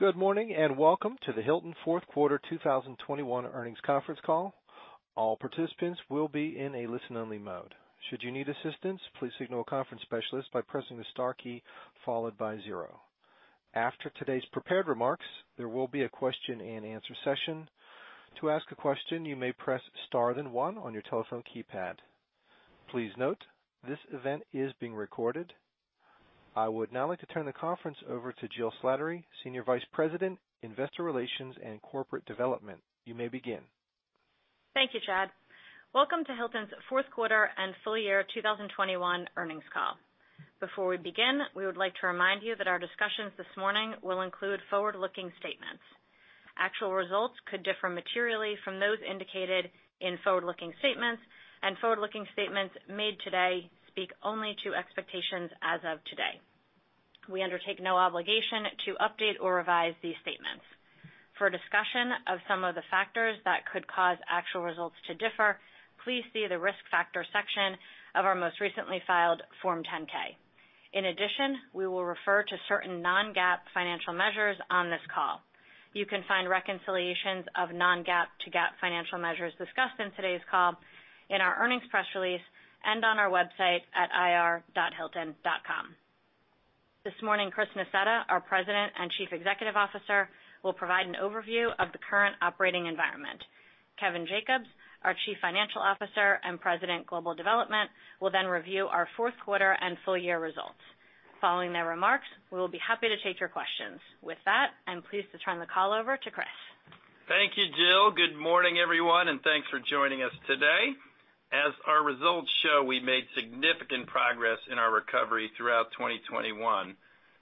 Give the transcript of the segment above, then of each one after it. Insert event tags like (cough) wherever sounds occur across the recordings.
Good morning, and welcome to the Hilton fourth quarter 2021 earnings conference call. All participants will be in a listen-only mode. Should you need assistance, please signal a conference specialist by pressing the star key followed by zero. After today's prepared remarks, there will be a question-and-answer session. To ask a question, you may press star, then one on your telephone keypad. Please note, this event is being recorded. I would now like to turn the conference over to Jill Slattery, Senior Vice President, Investor Relations and Corporate Development. You may begin. Thank you, Chad. Welcome to Hilton's fourth quarter and full year 2021 earnings call. Before we begin, we would like to remind you that our discussions this morning will include forward-looking statements. Actual results could differ materially from those indicated in forward-looking statements, and forward-looking statements made today speak only to expectations as of today. We undertake no obligation to update or revise these statements. For a discussion of some of the factors that could cause actual results to differ, please see the Risk Factor section of our most recently filed Form 10-K. In addition, we will refer to certain non-GAAP financial measures on this call. You can find reconciliations of non-GAAP to GAAP financial measures discussed in today's call in our earnings press release and on our website at ir.hilton.com. This morning, Chris Nassetta, our President and Chief Executive Officer, will provide an overview of the current operating environment. Kevin Jacobs, our Chief Financial Officer and President, Global Development, will then review our fourth quarter and full year results. Following their remarks, we will be happy to take your questions. With that, I'm pleased to turn the call over to Chris. Thank you, Jill. Good morning, everyone, and thanks for joining us today. As our results show, we made significant progress in our recovery throughout 2021.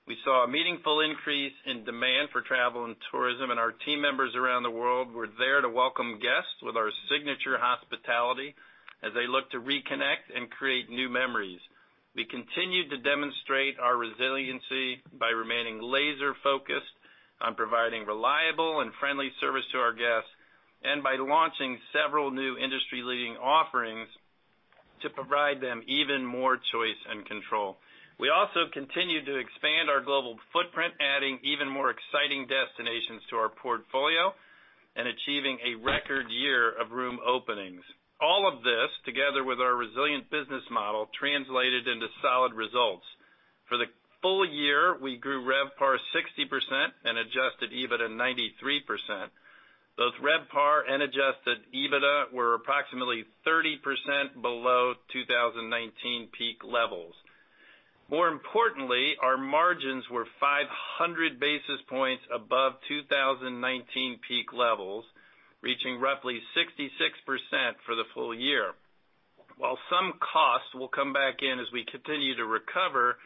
We saw a meaningful increase in demand for travel and tourism, and our team members around the world were there to welcome guests with our signature hospitality as they look to reconnect and create new memories. We continued to demonstrate our resiliency by remaining laser-focused on providing reliable and friendly service to our guests, and by launching several new industry-leading offerings to provide them even more choice and control. We also continued to expand our global footprint, adding even more exciting destinations to our portfolio and achieving a record year of room openings. All of this, together with our resilient business model, translated into solid results. For the full year, we grew RevPAR 60% and adjusted EBITDA 93%. Both RevPAR and adjusted EBITDA were approximately 30% below 2019 peak levels. More importantly, our margins were 500 basis points above 2019 peak levels, reaching roughly 66% for the full year. While some costs will come back in as we continue to recover,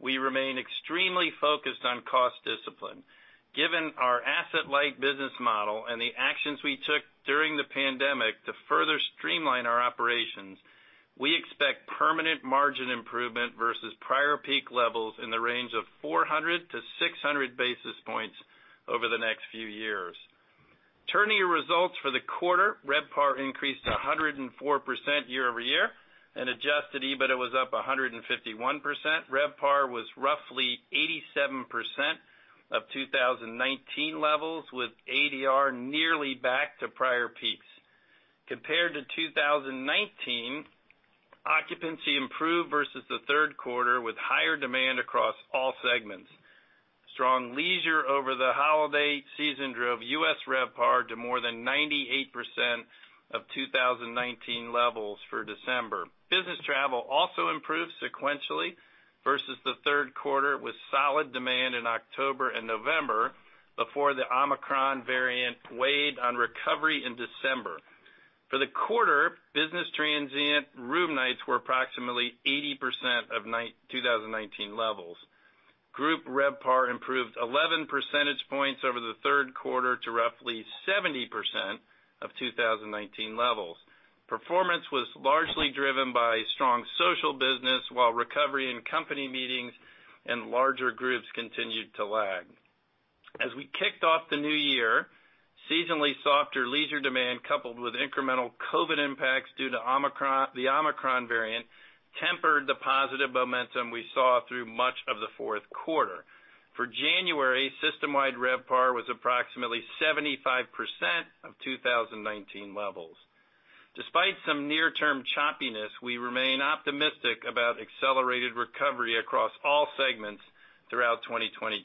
we remain extremely focused on cost discipline. Given our asset-light business model and the actions we took during the pandemic to further streamline our operations, we expect permanent margin improvement versus prior peak levels in the range of 400-600 basis points over the next few years. Turning to results for the quarter, RevPAR increased 104% year-over-year, and adjusted EBITDA was up 151%. RevPAR was roughly 87% of 2019 levels, with ADR nearly back to prior peaks. Compared to 2019, occupancy improved versus the third quarter, with higher demand across all segments. Strong leisure over the holiday season drove U.S. RevPAR to more than 98% of 2019 levels for December. Business travel also improved sequentially versus the third quarter, with solid demand in October and November before the Omicron variant weighed on recovery in December. For the quarter, business transient room nights were approximately 80% of 2019 levels. Group RevPAR improved 11 percentage points over the third quarter to roughly 70% of 2019 levels. Performance was largely driven by strong social business while recovery in company meetings and larger groups continued to lag. As we kicked off the new year, seasonally softer leisure demand, coupled with incremental COVID-19 impacts due to Omicron, the Omicron variant, tempered the positive momentum we saw through much of the fourth quarter. For January, system-wide RevPAR was approximately 75% of 2019 levels. Despite some near-term choppiness, we remain optimistic about accelerated recovery across all segments throughout 2022.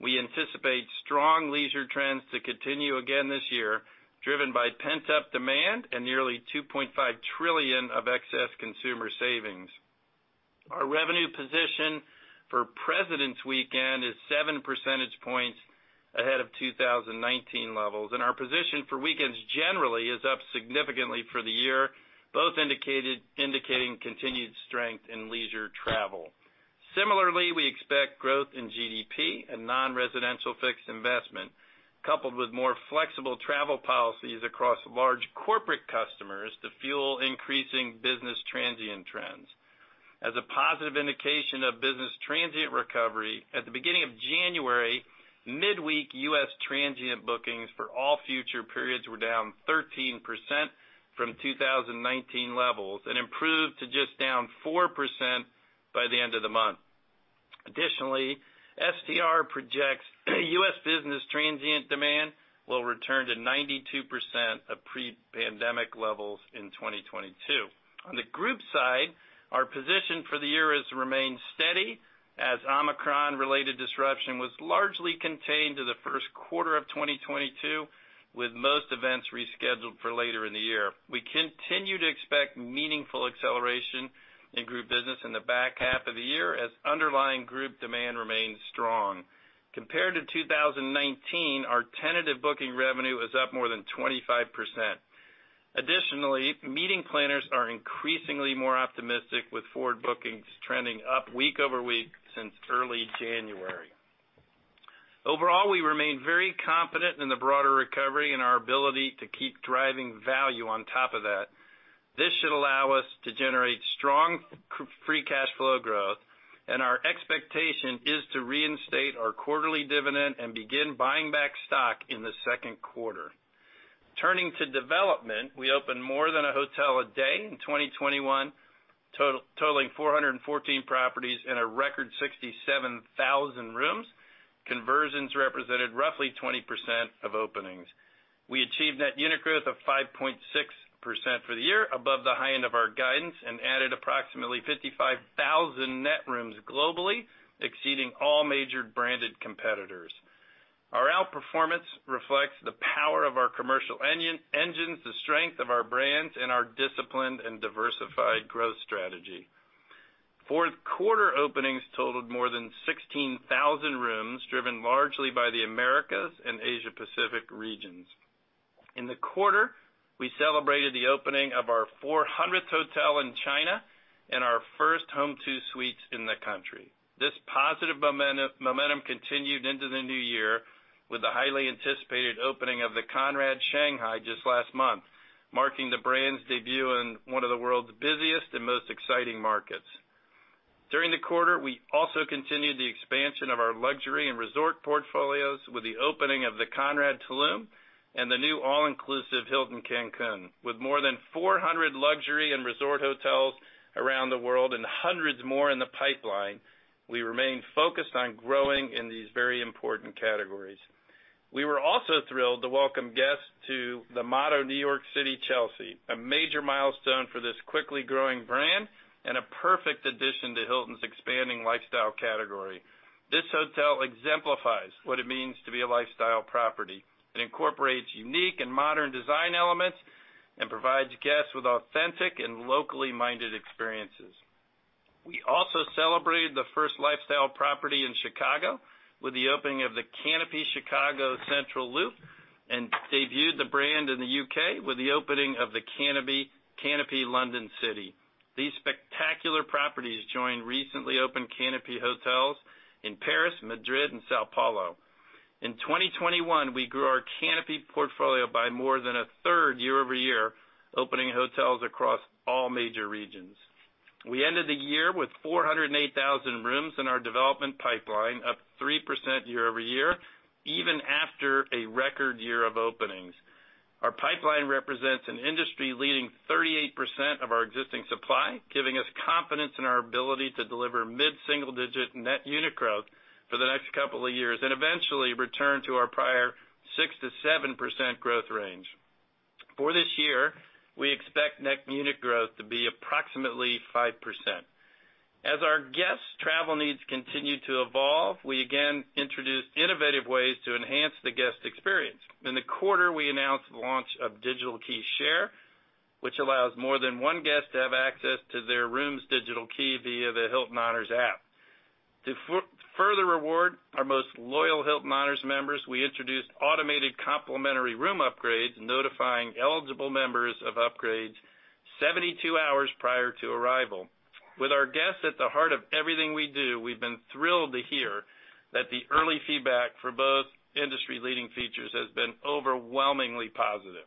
We anticipate strong leisure trends to continue again this year, driven by pent-up demand and nearly $2.5 trillion of excess consumer savings. Our revenue position for Presidents' weekend is 7 percentage points ahead of 2019 levels, and our position for weekends generally is up significantly for the year, both indicating continued strength in leisure travel. Similarly, we expect growth in GDP and non-residential fixed investment, coupled with more flexible travel policies across large corporate customers to fuel increasing business transient trends. As a positive indication of business transient recovery, at the beginning of January, midweek U.S. transient bookings for all future periods were down 13% from 2019 levels and improved to just down 4% by the end of the month. Additionally, STR projects U.S. business transient demand will return to 92% of pre-pandemic levels in 2022. On the group side, our position for the year has remained steady as Omicron related disruption was largely contained to the first quarter of 2022, with most events rescheduled for later in the year. We continue to expect meaningful acceleration in group business in the back half of the year, as underlying group demand remains strong. Compared to 2019, our tentative booking revenue is up more than 25%. Additionally, meeting planners are increasingly more optimistic, with forward bookings trending up week over week since early January. Overall, we remain very confident in the broader recovery and our ability to keep driving value on top of that. This should allow us to generate strong free cash flow growth, and our expectation is to reinstate our quarterly dividend and begin buying back stock in the second quarter. Turning to development, we opened more than a hotel a day in 2021, totaling 414 properties in a record 67,000 rooms. Conversions represented roughly 20% of openings. We achieved net unit growth of 5.6% for the year, above the high end of our guidance, and added approximately 55,000 net rooms globally, exceeding all major branded competitors. Our outperformance reflects the power of our commercial engines, the strength of our brands, and our disciplined and diversified growth strategy. Fourth quarter openings totaled more than 16,000 rooms, driven largely by the Americas and Asia Pacific regions. In the quarter, we celebrated the opening of our 400th hotel in China and our first Home2 Suites in the country. This positive momentum continued into the new year with the highly anticipated opening of the Conrad Shanghai just last month, marking the brand's debut in one of the world's busiest and most exciting markets. During the quarter, we also continued the expansion of our luxury and resort portfolios with the opening of the Conrad Tulum and the new all-inclusive Hilton Cancun. With more than 400 luxury and resort hotels around the world and hundreds more in the pipeline, we remain focused on growing in these very important categories. We were also thrilled to welcome guests to the Motto New York City Chelsea, a major milestone for this quickly growing brand and a perfect addition to Hilton's expanding lifestyle category. This hotel exemplifies what it means to be a lifestyle property. It incorporates unique and modern design elements and provides guests with authentic and locally-minded experiences. We also celebrated the first lifestyle property in Chicago with the opening of the Canopy Chicago Central Loop and debuted the brand in the U.K. with the opening of the Canopy London City. These spectacular properties joined recently opened Canopy hotels in Paris, Madrid, and São Paulo. In 2021, we grew our Canopy portfolio by more than a third year-over-year, opening hotels across all major regions. We ended the year with 408,000 rooms in our development pipeline, up 3% year-over-year, even after a record year of openings. Our pipeline represents an industry-leading 38% of our existing supply, giving us confidence in our ability to deliver mid-single-digit net unit growth for the next couple of years, and eventually return to our prior 6%-7% growth range. For this year, we expect net unit growth to be approximately 5%. As our guests' travel needs continue to evolve, we again introduced innovative ways to enhance the guest experience. In the quarter, we announced the launch of Digital Key Share, which allows more than one guest to have access to their room's digital key via the Hilton Honors app. To further reward our most loyal Hilton Honors members, we introduced automated complimentary room upgrades, notifying eligible members of upgrades 72 hours prior to arrival. With our guests at the heart of everything we do, we've been thrilled to hear that the early feedback for both industry-leading features has been overwhelmingly positive.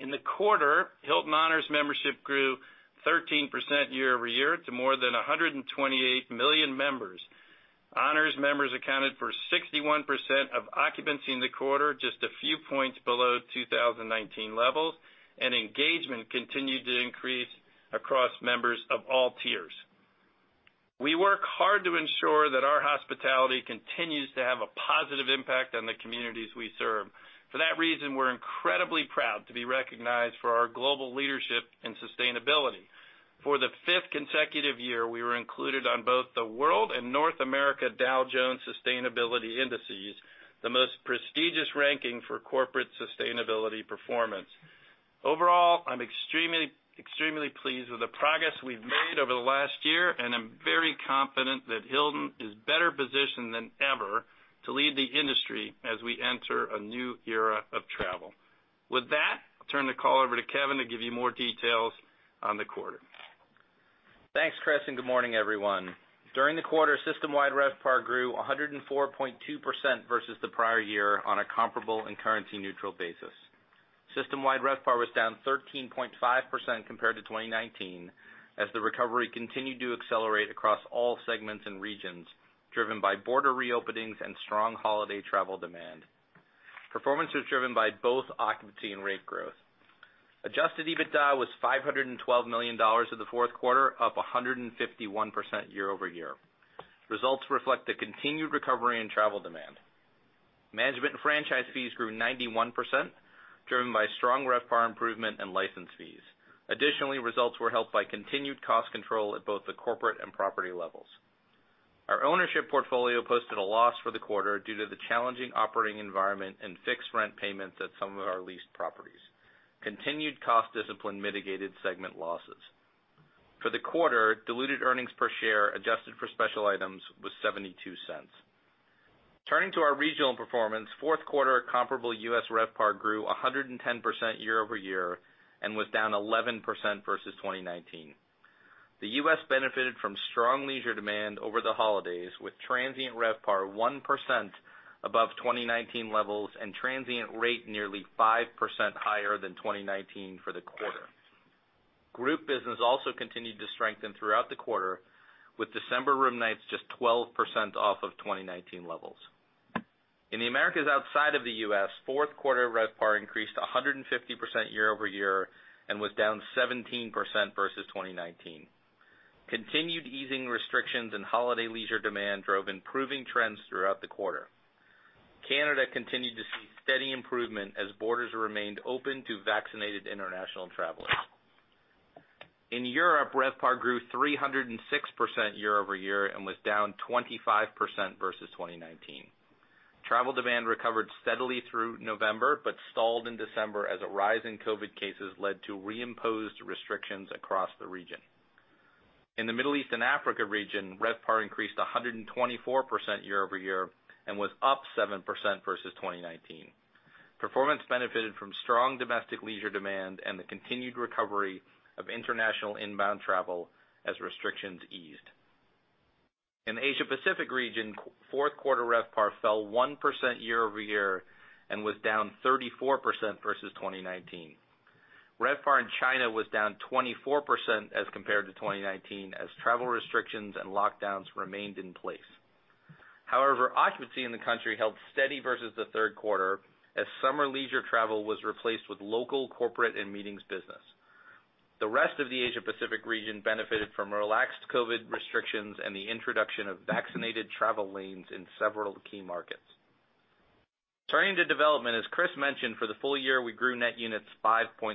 In the quarter, Hilton Honors membership grew 13% year over year to more than 128 million members. Honors members accounted for 61% of occupancy in the quarter, just a few points below 2019 levels, and engagement continued to increase across members of all tiers. We work hard to ensure that our hospitality continues to have a positive impact on the communities we serve. For that reason, we're incredibly proud to be recognized for our global leadership in sustainability. For the fifth consecutive year, we were included on both the World and North America Dow Jones Sustainability Indices, the most prestigious ranking for corporate sustainability performance. Overall, I'm extremely pleased with the progress we've made over the last year, and I'm very confident that Hilton is better positioned than ever to lead the industry as we enter a new era of travel. With that, I'll turn the call over to Kevin to give you more details on the quarter. Thanks, Chris, and good morning, everyone. During the quarter, system-wide RevPAR grew 104.2% versus the prior year on a comparable and currency neutral basis. System-wide RevPAR was down 13.5% compared to 2019 as the recovery continued to accelerate across all segments and regions, driven by border reopenings and strong holiday travel demand. Performance was driven by both occupancy and rate growth. Adjusted EBITDA was $512 million for the fourth quarter, up 151% year-over-year. Results reflect the continued recovery in travel demand. Management and franchise fees grew 91%, driven by strong RevPAR improvement and license fees. Additionally, results were helped by continued cost control at both the corporate and property levels. Our ownership portfolio posted a loss for the quarter due to the challenging operating environment and fixed rent payments at some of our leased properties. Continued cost discipline mitigated segment losses. For the quarter, diluted earnings per share, adjusted for special items, was $0.72. Turning to our regional performance, fourth quarter comparable U.S. RevPAR grew 110% year-over-year and was down 11% versus 2019. The U.S. benefited from strong leisure demand over the holidays, with transient RevPAR 1% above 2019 levels and transient rate nearly 5% higher than 2019 for the quarter. Group business also continued to strengthen throughout the quarter, with December room nights just 12% off of 2019 levels. In the Americas outside of the U.S., fourth quarter RevPAR increased 150% year-over-year and was down 17% versus 2019. Continued easing restrictions and holiday leisure demand drove improving trends throughout the quarter. Canada continued to see steady improvement as borders remained open to vaccinated international travelers. In Europe, RevPAR grew 306% year-over-year and was down 25% versus 2019. Travel demand recovered steadily through November, but stalled in December as a rise in COVID cases led to reimposed restrictions across the region. In the Middle East and Africa region, RevPAR increased 124% year-over-year and was up 7% versus 2019. Performance benefited from strong domestic leisure demand and the continued recovery of international inbound travel as restrictions eased. In the Asia Pacific region, fourth quarter RevPAR fell 1% year-over-year and was down 34% versus 2019. RevPAR in China was down 24% as compared to 2019 as travel restrictions and lockdowns remained in place. However, occupancy in the country held steady versus the third quarter as summer leisure travel was replaced with local, corporate, and meetings business. The rest of the Asia Pacific region benefited from relaxed COVID restrictions and the introduction of vaccinated travel lanes in several key markets. Turning to development, as Chris mentioned, for the full year, we grew net units 5.6%.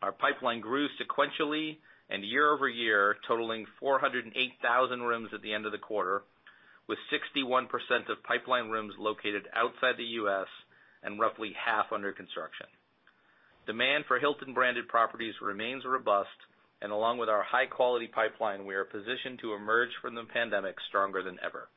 Our pipeline grew sequentially and year-over-year, totaling 408,000 rooms at the end of the quarter, with 61% of pipeline rooms located outside the U.S. and roughly half under construction. Demand for Hilton-branded properties remains robust, and along with our high-quality pipeline, we are positioned to emerge from the pandemic stronger than ever.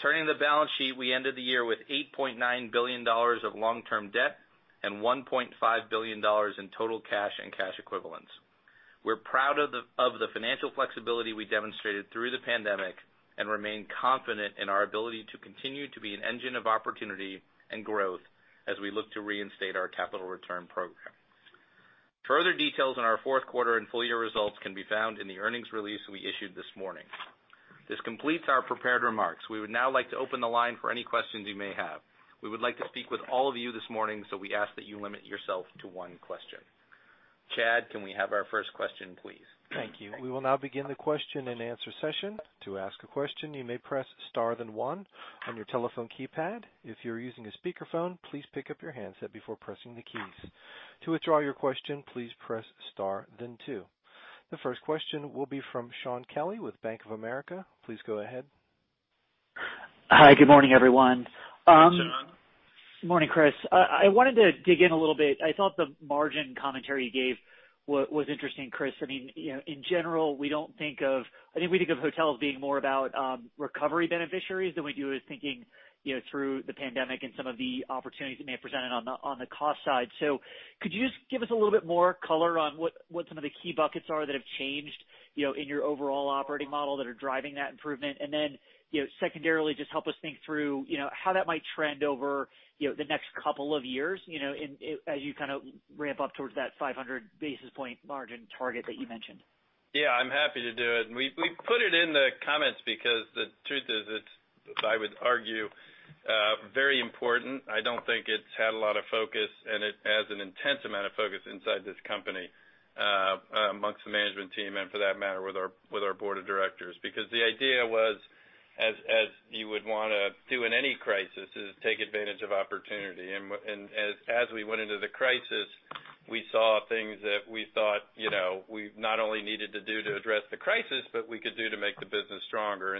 Turning to the balance sheet, we ended the year with $8.9 billion of long-term debt and $1.5 billion in total cash and cash equivalents. We're proud of the financial flexibility we demonstrated through the pandemic and remain confident in our ability to continue to be an engine of opportunity and growth as we look to reinstate our capital return program. Further details on our fourth quarter and full year results can be found in the earnings release we issued this morning. This completes our prepared remarks. We would now like to open the line for any questions you may have. We would like to speak with all of you this morning, so we ask that you limit yourself to one question. Chad, can we have our first question, please? Thank you. We will now begin the question and answer session. To ask a question, you may press star then one on your telephone keypad. If you're using a speakerphone, please pick up your handset before pressing the keys. To withdraw your question, please press star then two. The first question will be from Shaun Kelley with Bank of America. Please go ahead. Hi, good morning, everyone. Good morning, Shaun. Morning, Chris. I wanted to dig in a little bit. I thought the margin commentary you gave was interesting, Chris. I mean, you know, in general, I think we think of hotels being more about recovery beneficiaries than we do is thinking, you know, through the pandemic and some of the opportunities that may have presented on the cost side. Could you just give us a little bit more color on what some of the key buckets are that have changed, you know, in your overall operating model that are driving that improvement? Then, you know, secondarily, just help us think through, you know, how that might trend over the next couple of years, you know, in as you kind of ramp up towards that 500 basis point margin target that you mentioned. Yeah, I'm happy to do it. We put it in the comments because the truth is, it's very important, I would argue. I don't think it's had a lot of focus, and it has an intense amount of focus inside this company, among the management team, and for that matter, with our board of directors. Because the idea was, as you would wanna do in any crisis, is take advantage of opportunity. As we went into the crisis, we saw things that we thought, you know, we not only needed to do to address the crisis, but we could do to make the business stronger.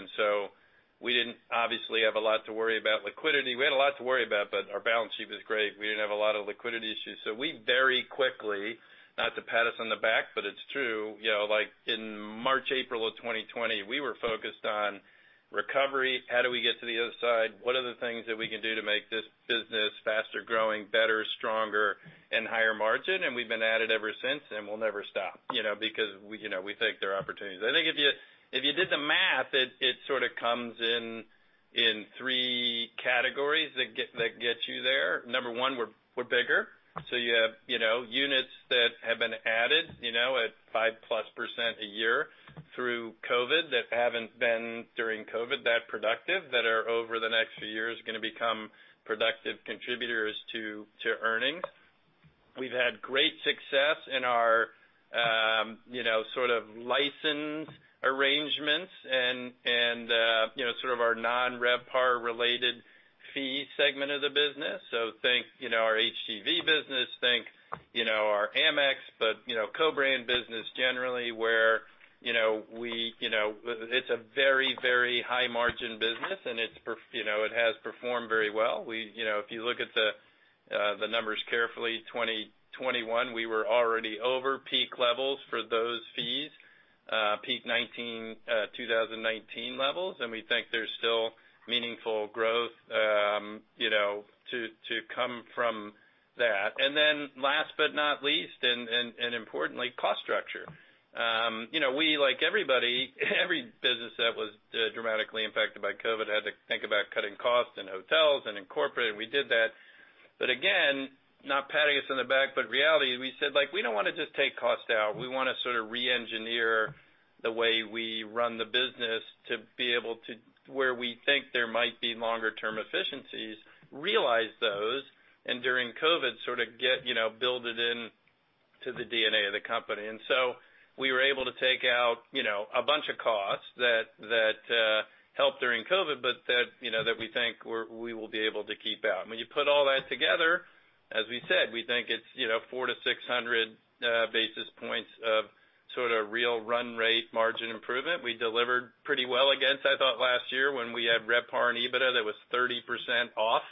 We didn't obviously have a lot to worry about liquidity. We had a lot to worry about, but our balance sheet was great. We didn't have a lot of liquidity issues. We very quickly, not to pat us on the back, but it's true, you know, like in March, April of 2020, we were focused on recovery. How do we get to the other side? What are the things that we can do to make this business faster growing, better, stronger, and higher margin? We've been at it ever since, and we'll never stop, you know, because we, you know, think there are opportunities. I think if you did the math, it sorta comes in three categories that get you there. Number one, we're bigger. You have, you know, units that have been added, you know, at 5+% a year through COVID that haven't been during COVID that productive that are over the next few years gonna become productive contributors to earnings. We've had great success in our you know sort of license arrangements and you know sort of our non-RevPAR-related fee segment of the business. Think you know our HGV business. Think you know our Amex but you know co-brand business generally where you know we you know. It's a very very high margin business and it's you know it has performed very well. You know if you look at the numbers carefully 2021 we were already over peak levels for those fees peak 2019 levels and we think there's still meaningful growth you know to come from that. Then last but not least importantly cost structure. You know, we, like everybody, every business that was dramatically impacted by COVID, had to think about cutting costs in hotels and in corporate, and we did that. Again, not patting us on the back, but reality is we said, like, we don't wanna just take costs out. We wanna sort of re-engineer the way we run the business to be able to, where we think there might be longer term efficiencies, realize those, and during COVID, sort of get, you know, build it into the DNA of the company. We were able to take out, you know, a bunch of costs that helped during COVID, but that, you know, that we think we will be able to keep out. When you put all that together, as we said, we think it's, you know, 400-600 basis points of sort of real run rate margin improvement. We delivered pretty well against, I thought last year, when we had RevPAR and EBITDA that was 30% off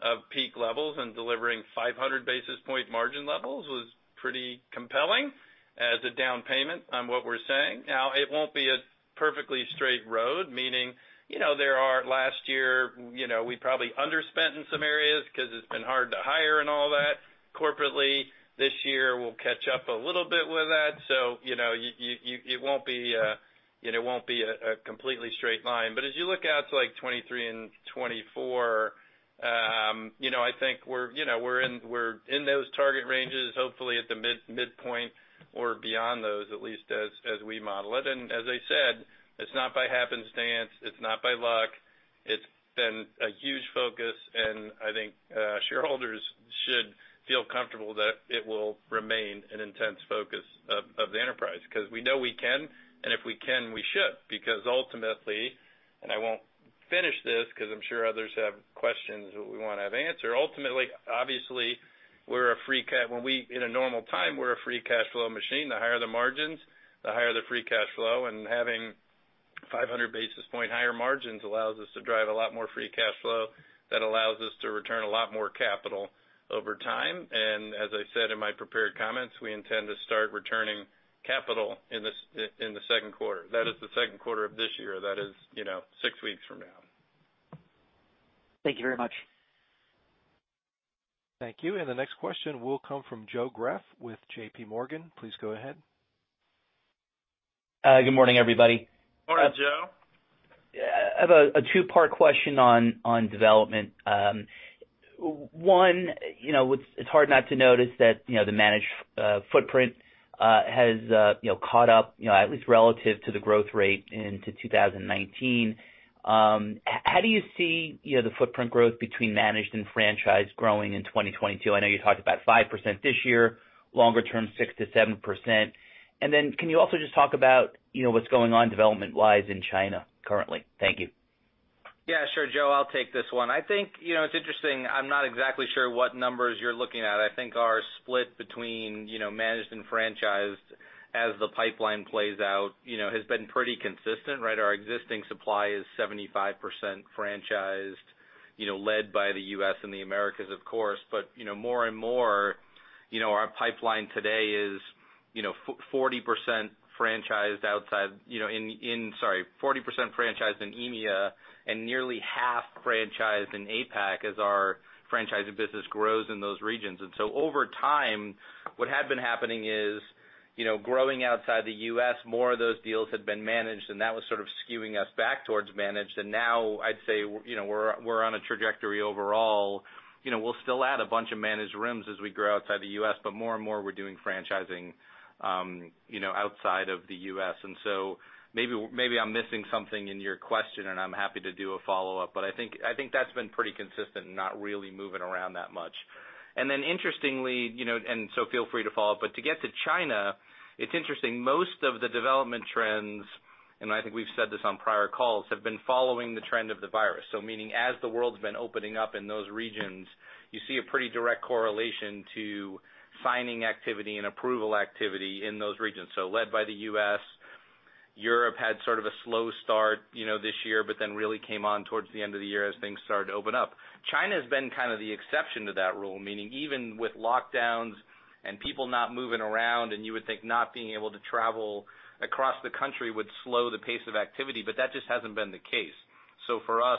of peak levels, and delivering 500 basis point margin levels was pretty compelling as a down payment on what we're saying. Now, it won't be a perfectly straight road, meaning, you know, there are. Last year, you know, we probably underspent in some areas 'cause it's been hard to hire and all that. Corporately, this year we'll catch up a little bit with that. So, you know, you, it won't be, you know, it won't be a completely straight line. As you look out to, like, 2023 and 2024, you know, I think we're, you know, we're in those target ranges, hopefully at the midpoint or beyond those, at least as we model it. As I said, it's not by happenstance. It's not by luck. It's been a huge focus, and I think shareholders should feel comfortable that it will remain an intense focus of the enterprise. 'Cause we know we can, and if we can, we should, because ultimately I won't finish this, 'cause I'm sure others have questions that we wanna have answered. Ultimately, obviously, in a normal time, we're a free cash flow machine. The higher the margins, the higher the free cash flow. Having 500 basis points higher margins allows us to drive a lot more free cash flow. That allows us to return a lot more capital over time. As I said in my prepared comments, we intend to start returning capital in the second quarter. That is the second quarter of this year. That is, you know, six weeks from now. Thank you very much. Thank you. The next question will come from Joe Greff with JPMorgan. Please go ahead. Good morning, everybody. Morning, Joe. I have a two-part question on development. One, you know, it's hard not to notice that, you know, the managed footprint has, you know, caught up, you know, at least relative to the growth rate into 2019. How do you see, you know, the footprint growth between managed and franchise growing in 2022? I know you talked about 5% this year, longer term, 6%-7%. Then can you also just talk about, you know, what's going on development wise in China currently? Thank you. Yeah, sure, Joe. I'll take this one. I think, you know, it's interesting. I'm not exactly sure what numbers you're looking at. I think our split between, you know, managed and franchised as the pipeline plays out, you know, has been pretty consistent, right? Our existing supply is 75% franchised, you know, led by the U.S. and the Americas, of course. You know, more and more, you know, our pipeline today is, you know, 40% franchised outside, you know, in EMEA and nearly half franchised in APAC as our franchising business grows in those regions. Over time, what had been happening is, you know, growing outside the U.S., more of those deals had been managed and that was sort of skewing us back towards managed. Now I'd say, you know, we're on a trajectory overall, you know. We'll still add a bunch of managed rooms as we grow outside the U.S., but more and more we're doing franchising, you know, outside of the U.S. Maybe I'm missing something in your question, and I'm happy to do a follow-up, but I think that's been pretty consistent and not really moving around that much. Interestingly, you know, feel free to follow up, but to get to China, it's interesting. Most of the development trends, and I think we've said this on prior calls, have been following the trend of the virus. Meaning, as the world's been opening up in those regions, you see a pretty direct correlation to signing activity and approval activity in those regions. Led by the U.S., Europe had sort of a slow start, you know, this year, but then really came on towards the end of the year as things started to open up. China's been kind of the exception to that rule, meaning even with lockdowns and people not moving around, and you would think not being able to travel across the country would slow the pace of activity, but that just hasn't been the case. For us,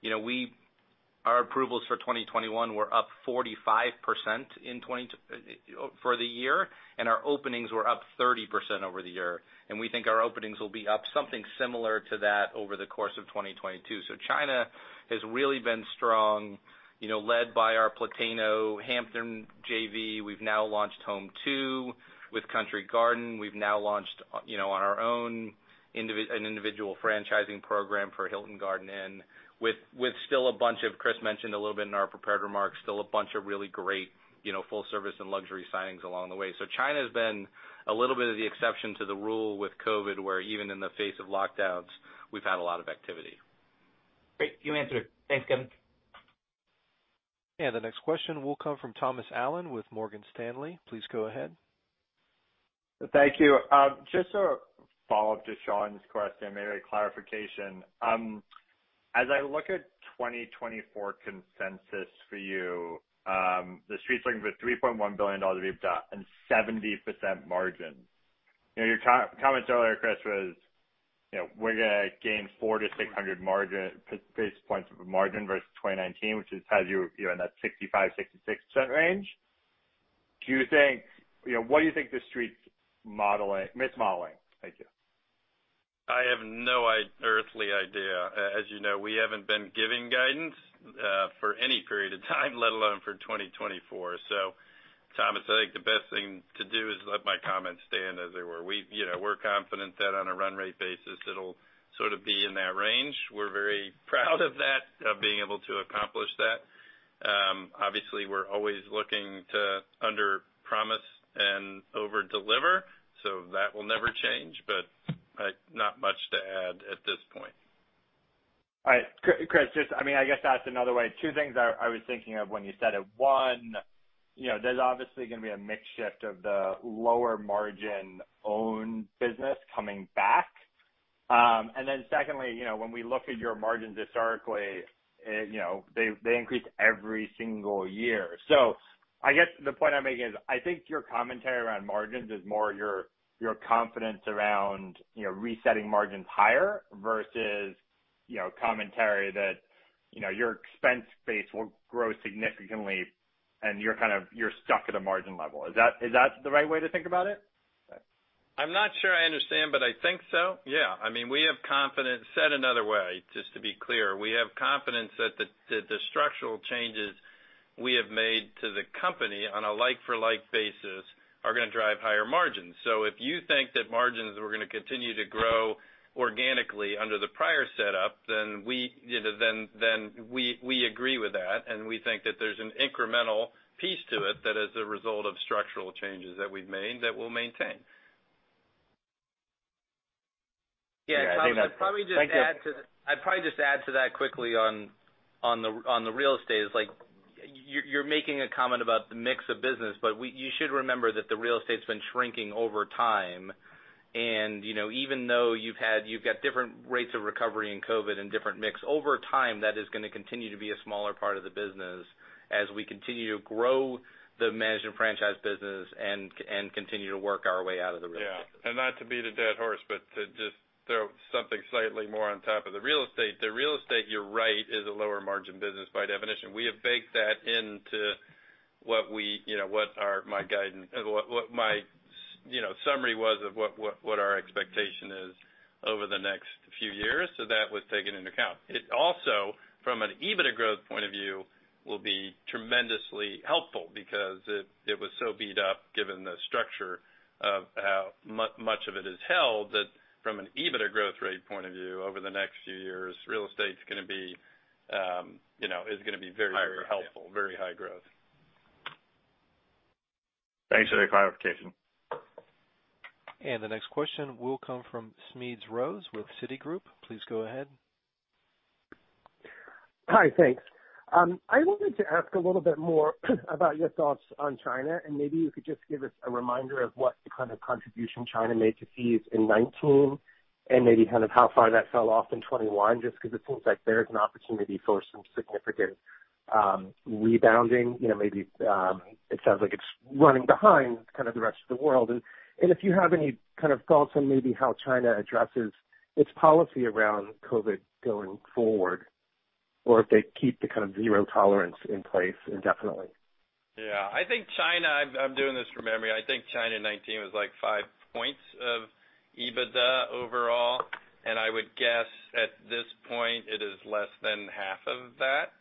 you know, our approvals for 2021 were up 45% in 2021 for the year, and our openings were up 30% over the year. We think our openings will be up something similar to that over the course of 2022. China has really been strong, you know, led by our Plateno Hampton JV. We've now launched Home2 with Country Garden, we've now launched, you know, on our own individual franchising program for Hilton Garden Inn with still a bunch of really great, you know, full service and luxury signings along the way. Chris mentioned a little bit in our prepared remarks. China's been a little bit of the exception to the rule with COVID, where even in the face of lockdowns, we've had a lot of activity. Great. You answered it. Thanks, Kevin. The next question will come from Thomas Allen with Morgan Stanley. Please go ahead. Thank you. Just to follow up to Shaun's question, maybe a clarification. As I look at 2024 consensus for you, the Street's looking for $3.1 billion of EBITDA and 70% margin. You know, your comment earlier, Chris, was, you know, we're gonna gain 400-600 basis points of margin versus 2019, which has you know, in that 65%-66% range. Do you think, you know, what do you think The Street's modeling or mismodeling? Thank you. I have no earthly idea. As you know, we haven't been giving guidance for any period of time let alone for 2024. Thomas, I think the best thing to do is let my comments stand as they were. You know, we're confident that on a run rate basis, it'll sort of be in that range. We're very proud of that, of being able to accomplish that. Obviously we're always looking to under promise and over deliver, so that will never change. Not much to add at this point. All right. Chris, just, I mean, I guess asked another way. Two things I was thinking of when you said it. One, you know, there's obviously gonna be a mix shift of the lower margin owned business coming back. And then secondly, you know, when we look at your margins historically, it, you know, they increase every single year. So I guess the point I'm making is I think your commentary around margins is more your confidence around, you know, resetting margins higher versus, you know, commentary that, you know, your expense base will grow significantly and you're kind of stuck at a margin level. Is that the right way to think about it? I'm not sure I understand, but I think so. Yeah. I mean, we have confidence. Said another way, just to be clear, we have confidence that the structural changes we have made to the company on a like-for-like basis are gonna drive higher margins. So if you think that margins are gonna continue to grow organically under the prior setup, then we, you know, then we agree with that. We think that there's an incremental piece to it that is a result of structural changes that we've made that we'll maintain. Yeah. (crosstalk) Thank you. I'd probably just add to that quickly on the real estate. Like, you're making a comment about the mix of business, but you should remember that the real estate's been shrinking over time. You know, even though you've got different rates of recovery in COVID and different mix, over time, that is gonna continue to be a smaller part of the business as we continue to grow the management franchise business and continue to work our way out of the real estate. Yeah. Not to beat a dead horse, but to just throw something slightly more on top of the real estate. The real estate, you're right, is a lower margin business by definition. We have baked that into what we, you know, our guidance, my summary of what our expectation is over the next few years. That was taken into account. It also, from an EBITDA growth point of view, will be tremendously helpful because it was so beat up given the structure of how much of it is held, that from an EBITDA growth rate point of view over the next few years, real estate's gonna be, you know, very, very helpful. Higher growth. Yeah. Very high growth. Thanks for the clarification. The next question will come from Smedes Rose with Citigroup. Please go ahead. Hi. Thanks. I wanted to ask a little bit more about your thoughts on China, and maybe you could just give us a reminder of what kind of contribution China made to fees in 2019, and maybe kind of how far that fell off in 2021, just 'cause it seems like there is an opportunity for some significant rebounding. You know, maybe it sounds like it's running behind kind of the rest of the world. If you have any kind of thoughts on maybe how China addresses its policy around COVID going forward, or if they keep the kind of zero tolerance in place indefinitely. Yeah. I think China. I'm doing this from memory. I think China in 2019 was like 5% of EBITDA overall. I would guess at this point it is less than half of that.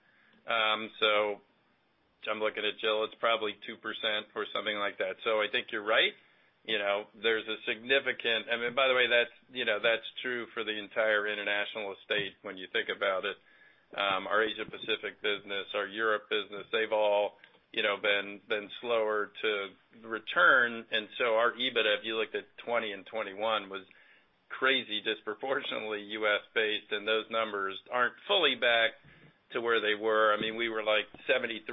I'm looking at Jill, it's probably 2% or something like that. I think you're right. You know, there's a significant. I mean, by the way, that's true for the entire international estate when you think about it. Our Asia Pacific business, our Europe business, they've all been slower to return. Our EBITDA, if you looked at 2020 and 2021, was crazy, disproportionately U.S. based, and those numbers aren't fully back to where they were. I mean, we were like 73%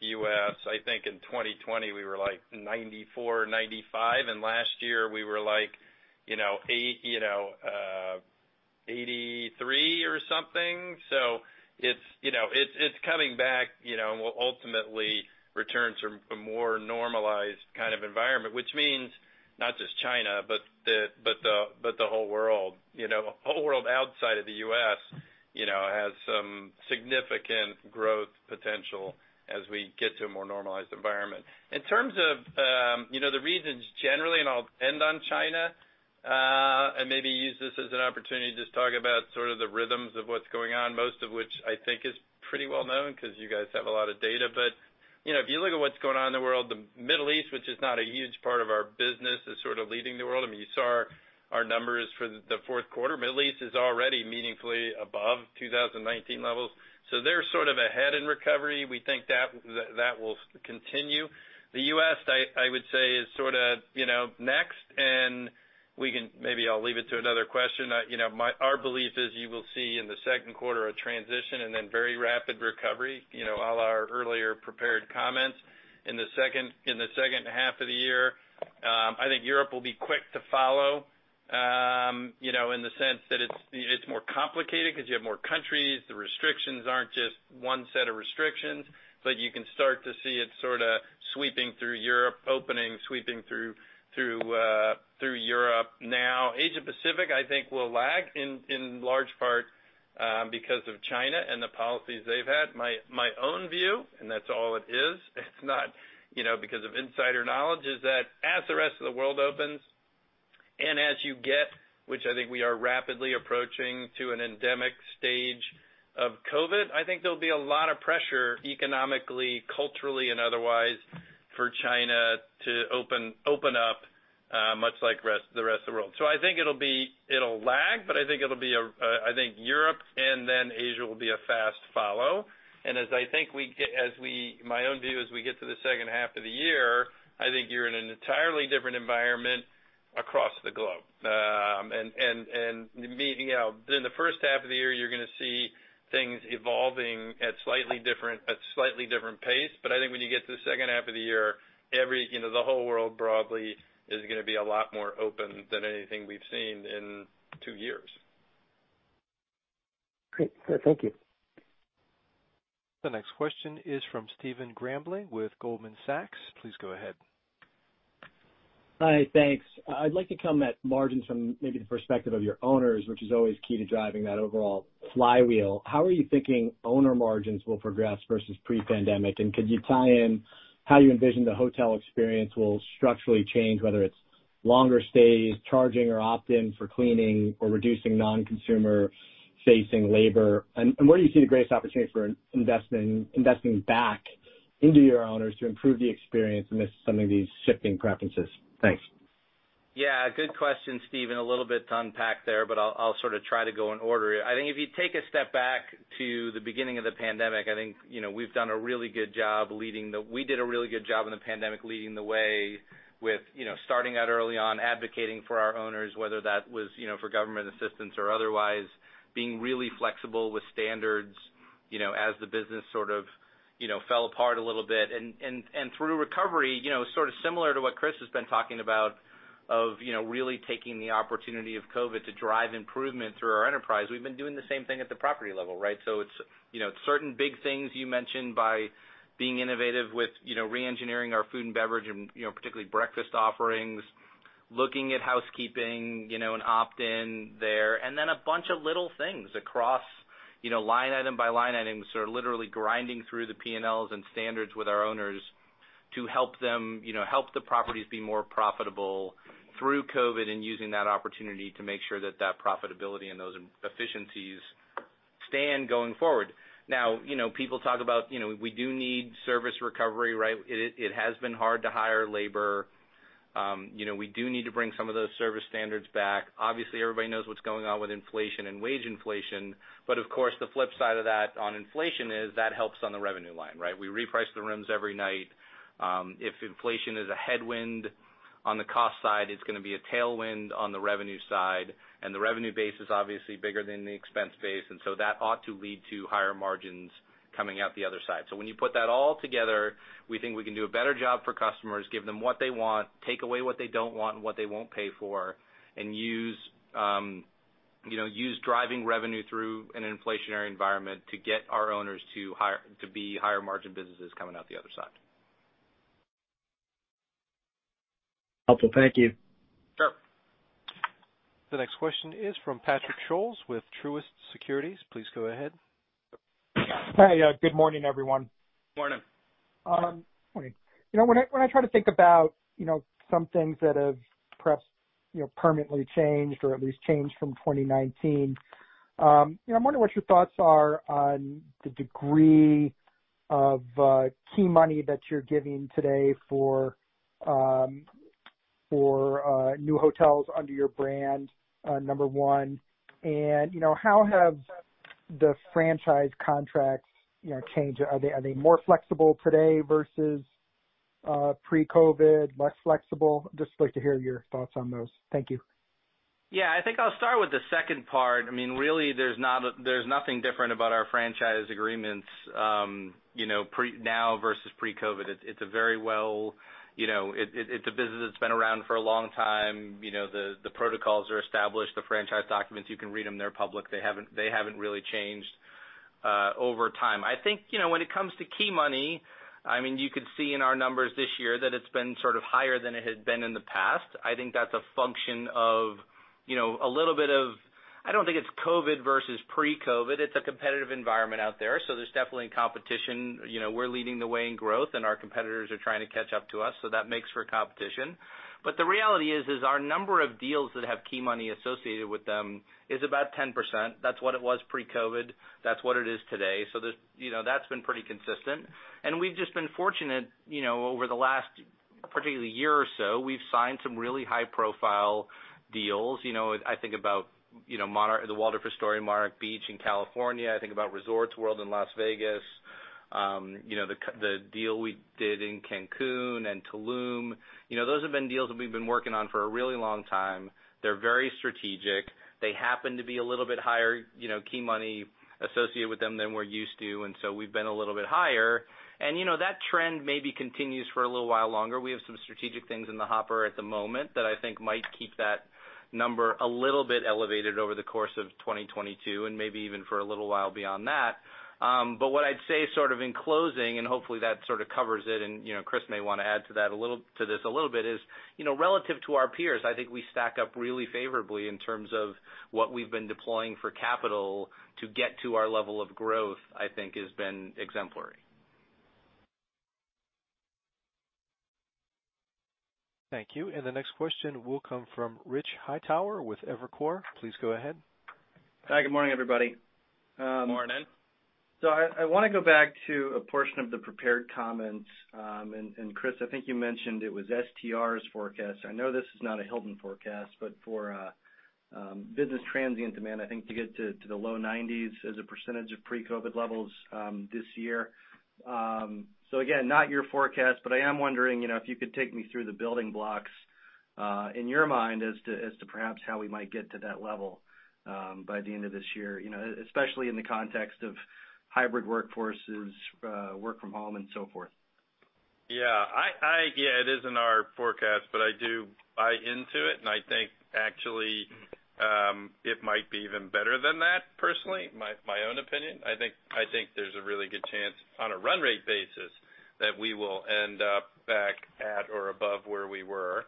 U.S. I think in 2020 we were like 94%-95%, and last year we were like, you know, 83% or something. It's coming back, you know, and will ultimately return to a more normalized kind of environment, which means not just China, but the whole world. Whole world outside of the U.S., you know, has some significant growth potential as we get to a more normalized environment. In terms of the reasons generally, and I'll end on China, and an opportunity to just talk about sort of the rhythms of what's going on, most of which I think is pretty well known because you guys have a lot of data. You know, if you look at what's going on in the world, the Middle East, which is not a huge part of our business, is sort of leading the world. I mean, you saw our numbers for the fourth quarter. Middle East is already meaningfully above 2019 levels. So they're sort of ahead in recovery. We think that will continue. The U.S., I would say, is sort of, you know, next, and maybe I'll leave it to another question. You know, our belief is you will see in the second quarter a transition and then very rapid recovery, you know, all our earlier prepared comments. In the second half of the year, I think Europe will be quick to follow, you know, in the sense that it's more complicated because you have more countries. The restrictions aren't just one set of restrictions, but you can start to see it sort of sweeping through Europe, opening, sweeping through Europe. Now, Asia-Pacific, I think will lag in large part, because of China and the policies they've had. My own view, and that's all it is. It's not, you know, because of insider knowledge, is that as the rest of the world opens and as we get, which I think we are rapidly approaching, an endemic stage of COVID, I think there'll be a lot of pressure economically, culturally, and otherwise for China to open up much like the rest of the world. It'll lag, but I think it'll be a fast follow. I think Europe and then Asia will be a fast follow. My own view, as we get to the second half of the year, I think you're in an entirely different environment across the globe. Meaning, you know, within the first half of the year, you're gonna see things evolving at a slightly different pace. I think when you get to the second half of the year, you know, the whole world broadly is gonna be a lot more open than anything we've seen in two years. Great. Thank you. The next question is from Stephen Grambling with Goldman Sachs. Please go ahead. Hi. Thanks. I'd like to come at margins from maybe the perspective of your owners, which is always key to driving that overall flywheel. How are you thinking owner margins will progress versus pre-pandemic? Could you tie in how you envision the hotel experience will structurally change, whether it's longer stays, charging or opt-in for cleaning or reducing non-consumer facing labor? Where do you see the greatest opportunity for investing back into your owners to improve the experience amidst some of these shifting preferences? Thanks. Yeah, good question, Stephen. A little bit to unpack there, but I'll sort of try to go in order. I think if you take a step back to the beginning of the pandemic, I think, you know, we did a really good job in the pandemic leading the way with, you know, starting out early on, advocating for our owners, whether that was, you know, for government assistance or otherwise, being really flexible with standards, you know, as the business sort of, you know, fell apart a little bit. And through recovery, you know, sort of similar to what Chris has been talking about of, you know, really taking the opportunity of COVID to drive improvement through our enterprise. We've been doing the same thing at the property level, right? It's, you know, certain big things you mentioned by being innovative with, you know, re-engineering our food and beverage and, you know, particularly breakfast offerings, looking at housekeeping, you know, and opt-in there. Then a bunch of little things across, you know, line item by line item, sort of literally grinding through the P&Ls and standards with our owners to help them, you know, help the properties be more profitable through COVID and using that opportunity to make sure that that profitability and those efficiencies stand going forward. Now, you know, people talk about, you know, we do need service recovery, right? It has been hard to hire labor. You know, we do need to bring some of those service standards back. Obviously, everybody knows what's going on with inflation and wage inflation. Of course, the flip side of that on inflation is that helps on the revenue line, right? We reprice the rooms every night. If inflation is a headwind on the cost side, it's gonna be a tailwind on the revenue side. The revenue base is obviously bigger than the expense base, and so that ought to lead to higher margins coming out the other side. When you put that all together, we think we can do a better job for customers, give them what they want, take away what they don't want and what they won't pay for, and use, you know, driving revenue through an inflationary environment to get our owners to be higher margin businesses coming out the other side. Helpful. Thank you. Sure. The next question is from Patrick Scholes with Truist Securities. Please go ahead. Hi. Good morning, everyone. Morning. Morning. You know, when I try to think about some things that have perhaps permanently changed or at least changed from 2019, you know, I'm wondering what your thoughts are on the degree of key money that you're giving today for new hotels under your brand, number one. You know, how have the franchise contracts changed? Are they more flexible today versus pre-COVID, less flexible? Just like to hear your thoughts on those. Thank you. Yeah. I think I'll start with the second part. I mean, really, there's nothing different about our franchise agreements, you know, pre-now versus pre-COVID. It's a very well, you know, it's a business that's been around for a long time. You know, the protocols are established, the franchise documents, you can read them, they're public. They haven't really changed over time. I think, you know, when it comes to key money, I mean, you could see in our numbers this year that it's been sort of higher than it had been in the past. I think that's a function of. You know, a little bit of. I don't think it's COVID versus pre-COVID. It's a competitive environment out there, so there's definitely competition. You know, we're leading the way in growth, and our competitors are trying to catch up to us, so that makes for competition. The reality is our number of deals that have key money associated with them is about 10%. That's what it was pre-COVID-19, that's what it is today. There's you know, that's been pretty consistent. We've just been fortunate, you know, over the last particularly year or so, we've signed some really high-profile deals. You know, I think about, you know, the Waldorf Astoria, Monarch Beach in California. I think about Resorts World in Las Vegas. You know, the deal we did in Cancun and Tulum. You know, those have been deals that we've been working on for a really long time. They're very strategic. They happen to be a little bit higher, you know, key money associated with them than we're used to, and so we've been a little bit higher. You know, that trend maybe continues for a little while longer. We have some strategic things in the hopper at the moment that I think might keep that number a little bit elevated over the course of 2022 and maybe even for a little while beyond that. What I'd say sort of in closing, and hopefully that sort of covers it, and, you know, Chris may wanna add to this a little bit, is, you know, relative to our peers, I think we stack up really favorably in terms of what we've been deploying for capital to get to our level of growth, I think, has been exemplary. Thank you. The next question will come from Rich Hightower with Evercore. Please go ahead. Hi, good morning, everybody. Morning. I want to go back to a portion of the prepared comments. And Chris, I think you mentioned it was STR's forecast. I know this is not a Hilton forecast, but for business transient demand, I think to get to the low-90s as a percentage of of pre-COVID levels this year. Again, not your forecast, but I am wondering, you know, if you could take me through the building blocks in your mind as to perhaps how we might get to that level by the end of this year, you know, especially in the context of hybrid workforces, work from home, and so forth. Yeah, it isn't our forecast, but I do buy into it, and I think actually it might be even better than that, personally. My own opinion. I think there's a really good chance on a run rate basis that we will end up back at or above where we were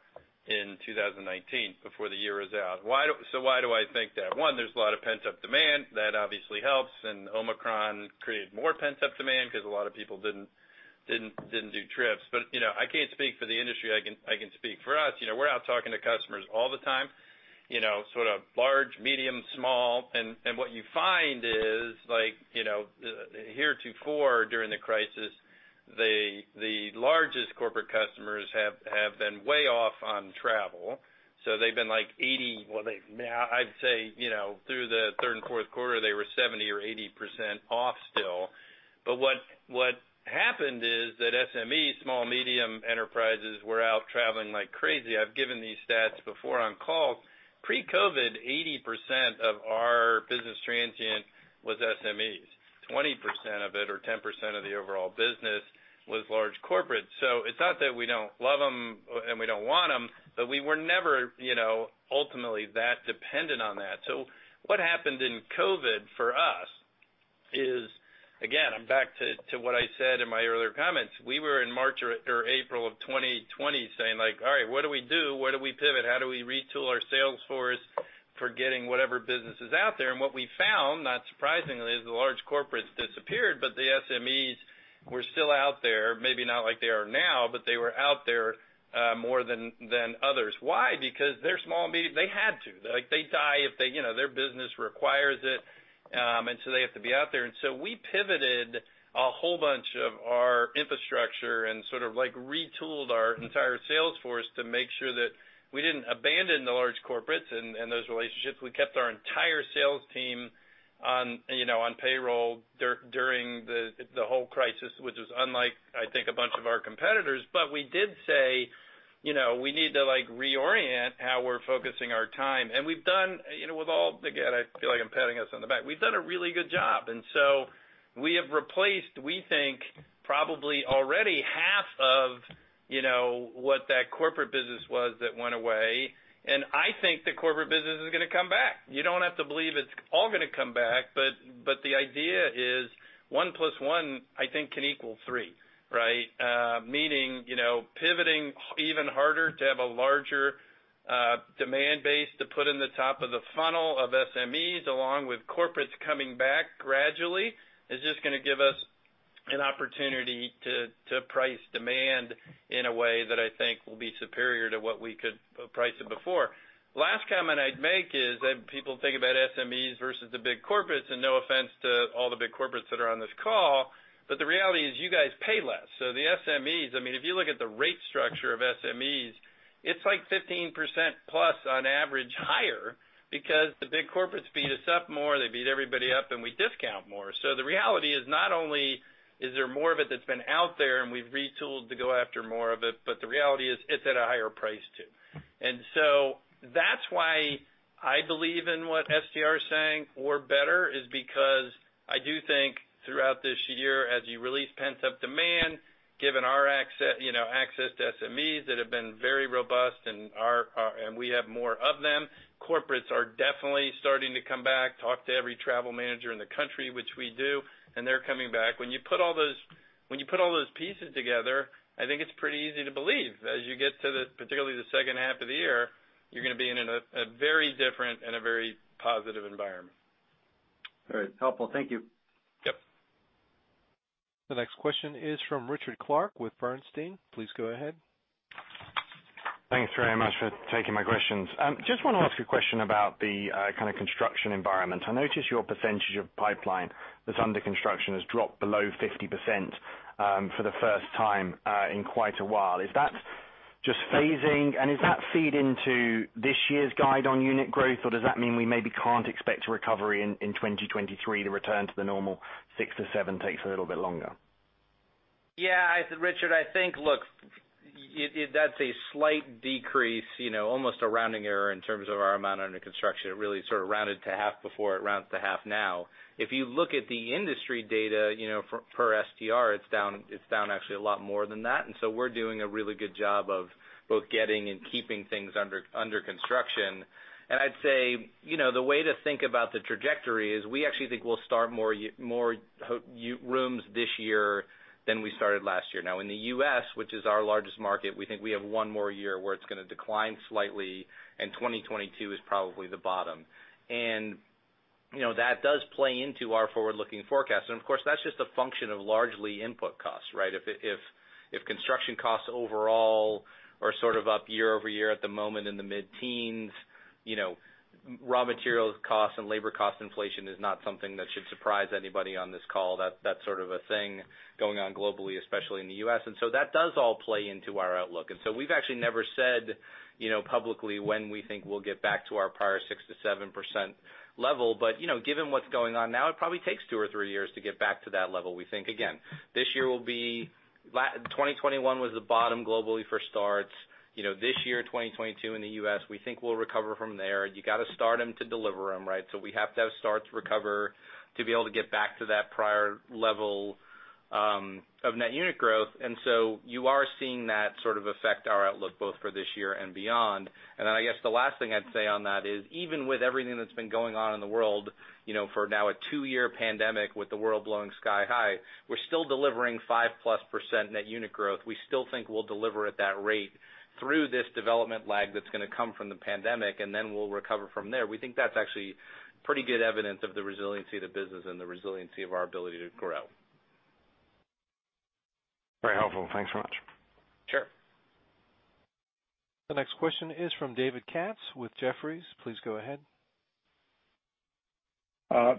in 2019 before the year is out. So why do I think that? One, there's a lot of pent-up demand. That obviously helps. Omicron created more pent-up demand 'cause a lot of people didn't do trips. But you know, I can't speak for the industry. I can speak for us. You know, we're out talking to customers all the time, you know, sort of large, medium, small. What you find is, like, you know, heretofore during the crisis, the largest corporate customers have been way off on travel. So they've been like 80% (inaudible) I'd say through the third and fourth quarter they were 70%-80% off still. But what happened is that SMEs, small medium enterprises, were out traveling like crazy. I've given these stats before on calls. Pre-COVID, 80% of our business transient was SMEs. 20% of it, or 10% of the overall business was large corporate. So it's not that we don't love them or and we don't want them, but we were never, you know, ultimately that dependent on that. So what happened in COVID for us is, again, I'm back to what I said in my earlier comments. We were in March or April of 2020 saying like, ll right, what do we do? Where do we pivot? How do we retool our sales force for getting whatever business is out there?" What we found, not surprisingly, is the large corporates disappeared, but the SMEs were still out there, maybe not like they are now, but they were out there more than others. Why? Because they're small and medium. They had to. Like, they die if they, you know, their business requires it, and so they have to be out there. We pivoted a whole bunch of our infrastructure and sort of like retooled our entire sales force to make sure that we didn't abandon the large corporates and those relationships. We kept our entire sales team on, you know, on payroll during the whole crisis, which was unlike, I think, a bunch of our competitors. We did say, you know, we need to, like, reorient how we're focusing our time. We've done, you know, with all. Again, I feel like I'm patting us on the back. We've done a really good job. We have replaced, we think, probably already half of, you know, what that corporate business was that went away. I think the corporate business is gonna come back. You don't have to believe it's all gonna come back, but the idea is one plus one, I think, can equal three, right? Meaning, you know, pivoting even harder to have a larger demand base to put in the top of the funnel of SMEs, along with corporates coming back gradually, is just gonna give us an opportunity to price demand in a way that I think will be superior to what we could price it before. Last comment I'd make is that people think about SMEs versus the big corporates, and no offense to all the big corporates that are on this call, but the reality is you guys pay less. The SMEs, I mean, if you look at the rate structure of SMEs, it's like 15%+ on average higher because the big corporates beat us up more. They beat everybody up, and we discount more. The reality is not only is there more of it that's been out there and we've retooled to go after more of it, but the reality is it's at a higher price too. That's why I believe in what STR's saying or better, is because I do think throughout this year, as you release pent-up demand, given our you know, access to SMEs that have been very robust and our and we have more of them. Corporates are definitely starting to come back. Talked to every travel manager in the country, which we do, and they're coming back. When you put all those When you put all those pieces together, I think it's pretty easy to believe as you get to the, particularly the second half of the year, you're gonna be in a very different and a very positive environment. All right. Helpful. Thank you. Yep. The next question is from Richard Clarke with Bernstein. Please go ahead. Thanks very much for taking my questions. Just wanna ask a question about the kind of construction environment. I notice your percentage of pipeline that's under construction has dropped below 50% for the first time in quite a while. Is that just phasing? Does that feed into this year's guide on unit growth, or does that mean we maybe can't expect a recovery in 2023 to return to the normal 6%-7% takes a little bit longer? Yeah. Richard, I think, look, that's a slight decrease, you know, almost a rounding error in terms of our amount under construction. It really sort of rounded to half before, it rounds to half now. If you look at the industry data, you know, from STR, it's down actually a lot more than that. We're doing a really good job of both getting and keeping things under construction. I'd say, you know, the way to think about the trajectory is we actually think we'll start more rooms this year than we started last year. In the U.S., which is our largest market, we think we have one more year where it's gonna decline slightly, and 2022 is probably the bottom. That does play into our forward-looking forecast. Of course, that's just a function of largely input costs, right? If construction costs overall are sort of up year-over-year at the moment in the mid-teens, you know, raw materials costs and labor cost inflation is not something that should surprise anybody on this call. That's sort of a thing going on globally, especially in the U.S. That does all play into our outlook. We've actually never said, you know, publicly when we think we'll get back to our prior 6%-7% level. But, you know, given what's going on now, it probably takes two or three years to get back to that level. We think, again, 2021 was the bottom globally for starts. You know, this year, 2022 in the U.S., we think we'll recover from there. You gotta start them to deliver them, right? We have to have starts recover to be able to get back to that prior level of net unit growth. You are seeing that sort of affect our outlook both for this year and beyond. I guess the last thing I'd say on that is even with everything that's been going on in the world, you know, for now a two year pandemic with the world blowing sky high, we're still delivering 5+% net unit growth. We still think we'll deliver at that rate through this development lag that's gonna come from the pandemic, and then we'll recover from there. We think that's actually pretty good evidence of the resiliency of the business and the resiliency of our ability to grow. Very helpful. Thanks so much. Sure. The next question is from David Katz with Jefferies. Please go ahead.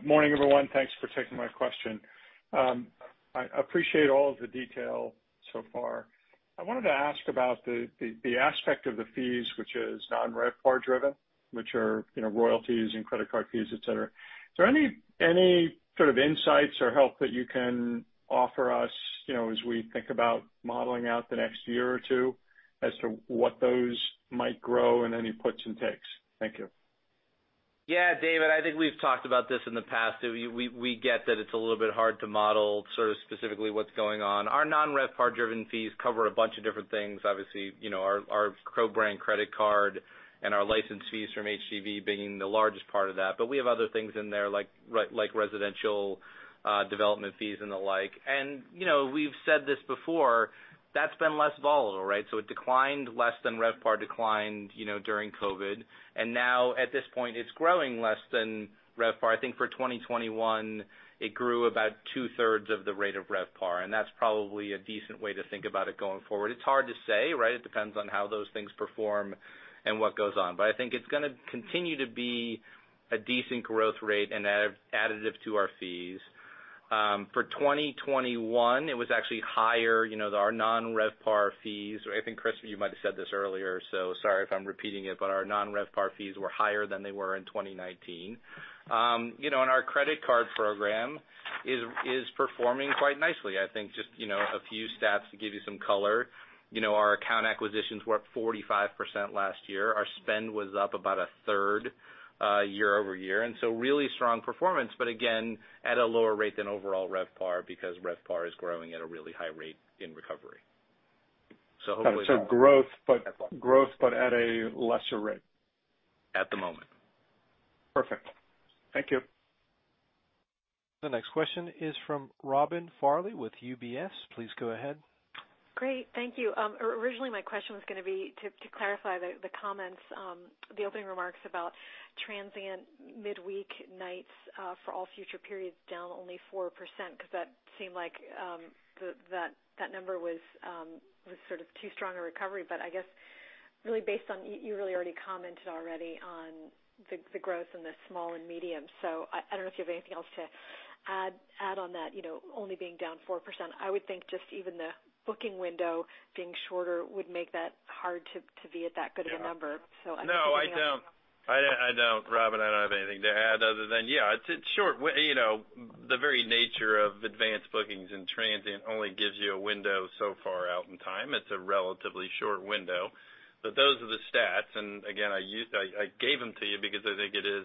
Morning, everyone. Thanks for taking my question. I appreciate all of the detail so far. I wanted to ask about the aspect of the fees, which is non-RevPAR driven, which are, you know, royalties and credit card fees, et cetera. Is there any sort of insights or help that you can offer us, you know, as we think about modeling out the next year or two as to what those might grow and any puts and takes? Thank you. Yeah. David, I think we've talked about this in the past. We get that it's a little bit hard to model sort of specifically what's going on. Our non-RevPAR driven fees cover a bunch of different things. Obviously, you know, our co-brand credit card and our license fees from HGV being the largest part of that. We have other things in there like residential development fees and the like. You know, we've said this before, that's been less volatile, right? It declined less than RevPAR declined, you know, during COVID. Now at this point, it's growing less than RevPAR. I think for 2021, it grew about 2/3 of the rate of RevPAR, and that's probably a decent way to think about it going forward. It's hard to say, right? It depends on how those things perform and what goes on. I think it's gonna continue to be a decent growth rate and additive to our fees. For 2021, it was actually higher, you know, our non-RevPAR fees, or I think, Chris, you might have said this earlier, so sorry if I'm repeating it, but our non-RevPAR fees were higher than they were in 2019. You know, and our credit card program is performing quite nicely. I think just, you know, a few stats to give you some color. You know, our account acquisitions were up 45% last year. Our spend was up about a third year over year. Really strong performance, but again, at a lower rate than overall RevPAR because RevPAR is growing at a really high rate in recovery. Hopefully Growth, but at a lesser rate. At the moment. Perfect. Thank you. The next question is from Robin Farley with UBS. Please go ahead. Great. Thank you. Originally my question was gonna be to clarify the comments, the opening remarks about transient midweek nights, for all future periods down only 4%, 'cause that seemed like, that number was sort of too strong a recovery. I guess really based on you really already commented on the growth in the small and medium. I don't know if you have anything else to add on that, you know, only being down 4%. I would think just even the booking window being shorter would make that hard to be at that good of a number. So I'm thinking. (crosstalk) No, I don't. Robin, I don't have anything to add other than, yeah, it's short. We, you know, the very nature of advanced bookings and transient only gives you a window so far out in time. It's a relatively short window. But those are the stats, and again, I gave them to you because I think it is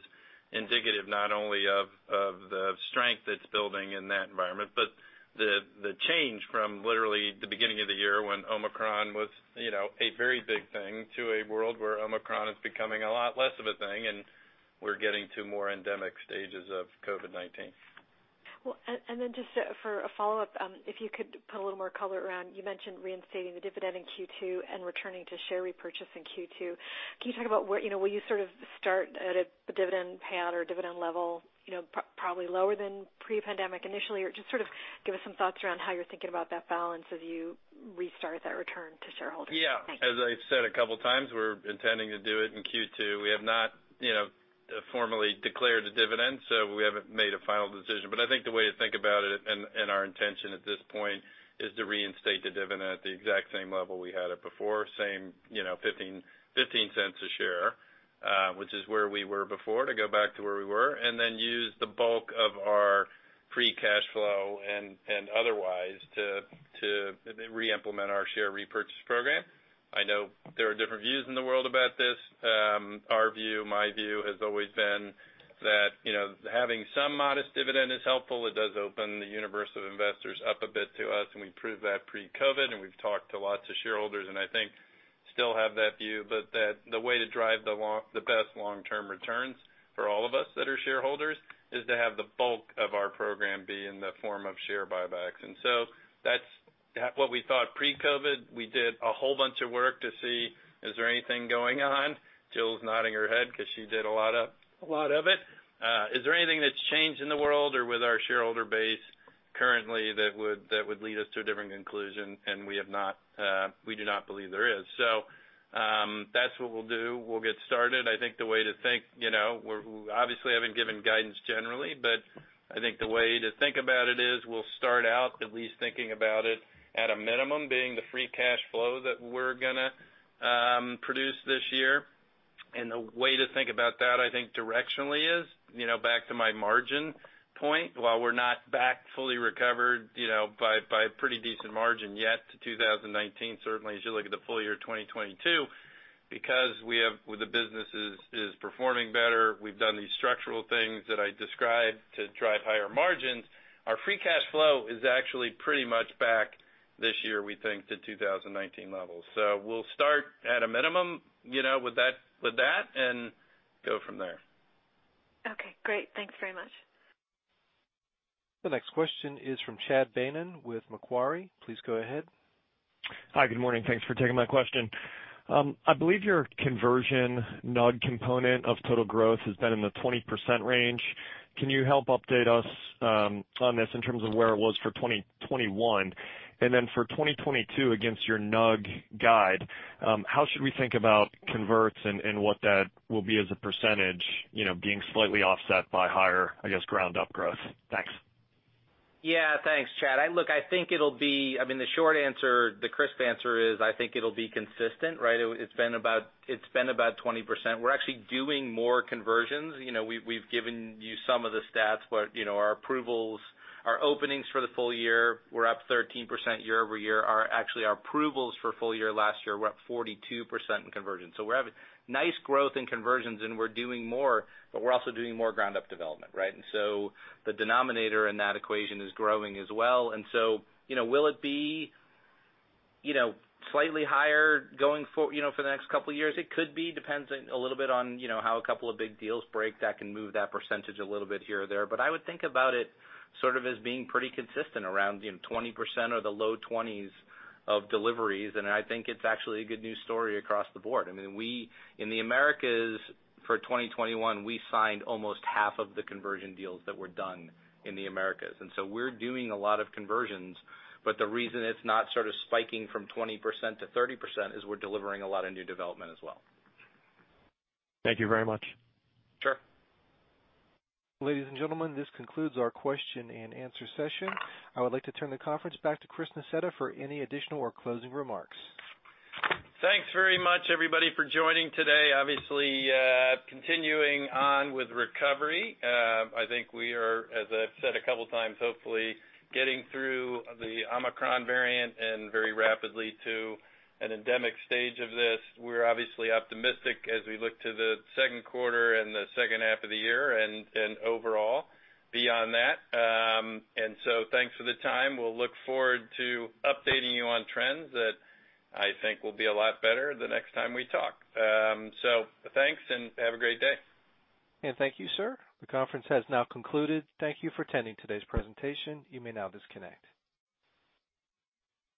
indicative not only of the strength that's building in that environment, but the change from literally the beginning of the year when Omicron was, you know, a very big thing to a world where Omicron is becoming a lot less of a thing. We're getting to more endemic stages of COVID-19. Just for a follow-up, if you could put a little more color around, you mentioned reinstating the dividend in Q2 and returning to share repurchase in Q2. Can you talk about where will you sort of start at a dividend payout or dividend level, probably lower than pre-pandemic initially? Or just sort of give us some thoughts around how you're thinking about that balance as you restart that return to shareholders. (crosstalk) Yeah. Thanks. As I said a couple times, we're intending to do it in Q2. We have not, you know, formally declared a dividend, so we haven't made a final decision. I think the way to think about it and our intention at this point is to reinstate the dividend at the exact same level we had it before, same, you know, $0.15 a share, which is where we were before, to go back to where we were, and then use the bulk of our free cash flow and otherwise to re-implement our share repurchase program. I know there are different views in the world about this. Our view, my view, has always been that, you know, having some modest dividend is helpful. It does open the universe of investors up a bit to us, and we proved that pre-COVID, and we've talked to lots of shareholders, and I think still have that view. But the way to drive the best long-term returns for all of us that are shareholders is to have the bulk of our program be in the form of share buybacks. That's what we thought pre-COVID. We did a whole bunch of work to see is there anything going on? Jill's nodding her head 'cause she did a lot of it. Is there anything that's changed in the world or with our shareholder base currently that would lead us to a different conclusion? We have not, we do not believe there is. That's what we'll do. We'll get started. I think the way to think, you know, we're obviously I haven't given guidance generally, but I think the way to think about it is we'll start out at least thinking about it at a minimum being the free cash flow that we're gonna produce this year. The way to think about that, I think directionally is, you know, back to my margin point, while we're not back fully recovered, you know, by a pretty decent margin yet to 2019, certainly as you look at the full year 2022, because we have the business is performing better, we've done these structural things that I described to drive higher margins, our free cash flow is actually pretty much back this year, we think, to 2019 levels. We'll start at a minimum, you know, with that, and go from there. Okay, great. Thanks very much. The next question is from Chad Beynon with Macquarie. Please go ahead. Hi, good morning. Thanks for taking my question. I believe your conversion NUG component of total growth has been in the 20% range. Can you help update us on this in terms of where it was for 2021? For 2022 against your NUG guide, how should we think about conversions and what that will be as a percentage, you know, being slightly offset by higher, I guess, ground up growth? Thanks. Yeah, thanks, Chad. Look, I think it'll be. I mean, the short answer, the crisp answer is I think it'll be consistent, right? It's been about 20%. We're actually doing more conversions. You know, we've given you some of the stats, but you know, our approvals, our openings for the full year were up 13% year-over-year. Actually, our approvals for full year last year were up 42% in conversions. We're having nice growth in conversions and we're doing more, but we're also doing more ground up development, right? You know, will it be you know, slightly higher going forward you know, for the next couple of years? It could be. Depends a little bit on, you know, how a couple of big deals break that can move that percentage a little bit here or there. I would think about it sort of as being pretty consistent around, you know, 20% or the low-20s of deliveries. I think it's actually a good news story across the board. I mean, we in the Americas, for 2021, we signed almost half of the conversion deals that were done in the Americas. We're doing a lot of conversions, but the reason it's not sort of spiking from 20%-30% is we're delivering a lot of new development as well. Thank you very much. Sure. Ladies and gentlemen, this concludes our question and answer session. I would like to turn the conference back to Chris Nassetta for any additional or closing remarks. Thanks very much, everybody, for joining today. Obviously, continuing on with recovery. I think we are, as I've said a couple times, hopefully getting through the Omicron variant and very rapidly to an endemic stage of this. We're obviously optimistic as we look to the second quarter and the second half of the year and overall beyond that. Thanks for the time. We'll look forward to updating you on trends that I think will be a lot better the next time we talk. Thanks and have a great day. Thank you, sir. The conference has now concluded. Thank you for attending today's presentation. You may now disconnect.